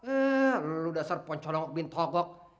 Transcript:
eh lu dasar pancolan bintang kok